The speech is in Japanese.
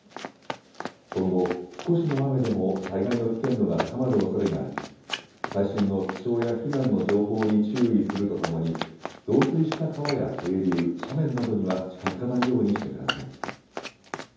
今後、少しの雨でも災害の危険度が高まるおそれがあり、最新の気象や避難の情報に注意するとともに、増水した川や渓流、斜面などには近づかないようにしてください。